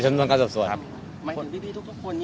คนพิธีทุกคนนี้ก็คือบริสุทัยทั้งหมด